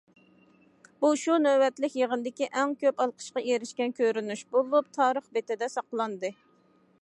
بۇ شۇ نۆۋەتلىك يىغىندىكى ئەڭ كۆپ ئالقىشقا ئېرىشكەن كۆرۈنۈش بولۇپ تارىخ بېتىدە ساقلاندى.